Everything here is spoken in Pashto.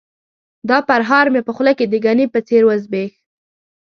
دا پرهار مې په خوله د ګني په څېر وزبیښ.